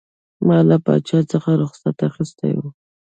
ما له پاچا څخه رخصت اخیستی وو.